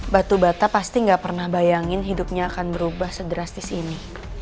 batu bata pasti gak pernah bayangin hidupnya akan berubah sedrastis ini